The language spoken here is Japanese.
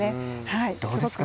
どうですか？